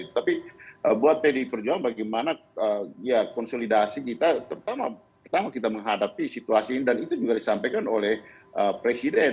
tapi buat pdi perjuangan bagaimana konsolidasi kita terutama pertama kita menghadapi situasi ini dan itu juga disampaikan oleh presiden